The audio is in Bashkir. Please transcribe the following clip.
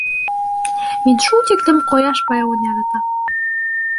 Мин шул тиклем ҡояш байыуын яратам.